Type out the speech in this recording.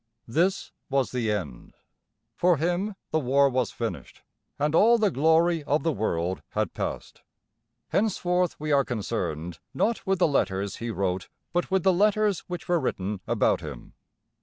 This was the end. For him the war was finished and all the glory of the world had passed. Henceforth we are concerned not with the letters he wrote, but with the letters which were written about him.